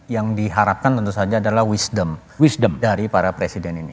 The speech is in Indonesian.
yang diharapkan tentu saja adalah wisdom wisdom dari para presiden ini